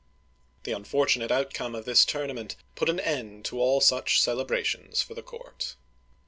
The unfortunate outcome of this tournament put an end to all such celebrations for the court.